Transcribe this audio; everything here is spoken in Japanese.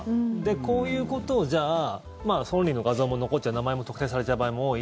こういうことを、じゃあ本人の画像も残っちゃう名前も特定されちゃう場合も多い。